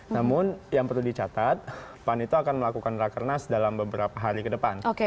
namun yang perlu dicatat pan itu akan melakukan rakernas dalam beberapa hari ke depan